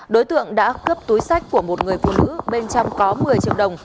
đối tượng đã cướp túi sách của một người phụ nữ bên trong có một mươi triệu đồng